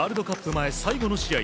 前最後の試合